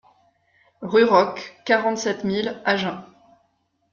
Rue Roques, quarante-sept mille Agen